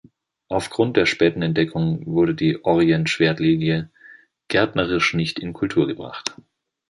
Auf Grund der späten Entdeckung wurde die Orjen-Schwertlilie gärtnerisch nicht in Kultur gebracht.